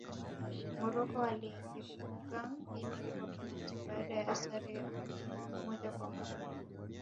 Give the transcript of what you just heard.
morocco waliifuga guinea kwa penati baada ya sare ya moja kwa moja